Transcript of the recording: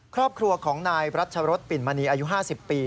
ครอบครัวของนายรัชรสปิ่นมณีอายุ๕๐ปี